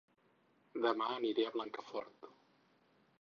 Dema aniré a Blancafort